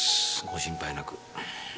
ご心配なく。